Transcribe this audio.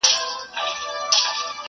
هري خوا ته يې سكروټي غورځولي!